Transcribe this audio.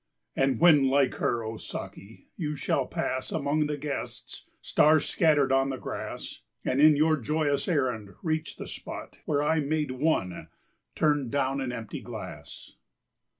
"And when like her, O Saki, you shall pass Among the Guests, star scattered on the grass, And in your joyous errand reach the spot Where I made one—turn down an empty glass."